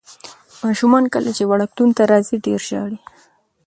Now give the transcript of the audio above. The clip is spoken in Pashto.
ماشومان کله چې وړکتون ته راځي ډېر ژاړي.